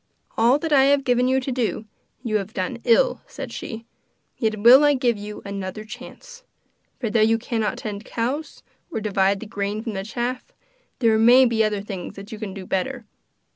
'All that I have given you to do you have done ill,' said she, 'yet will I give you another chance. For though you cannot tend cows, or divide the grain from the chaff, there may be other things that you can do better.